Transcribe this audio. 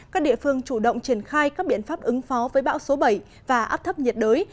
các địa phương chủ động triển khai các biện pháp ứng phó với bão số bảy và áp thấp nhiệt đới